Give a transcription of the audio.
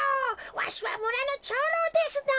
わしはむらの長老ですのぉ。